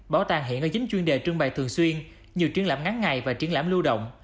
bảo tàng hiện có chín chuyên đề trưng bày thường xuyên nhiều triển lãm ngắn ngày và triển lãm lưu động